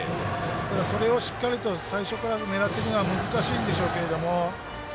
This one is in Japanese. それをしっかりと最初から狙っていくのは難しいんでしょうけれども。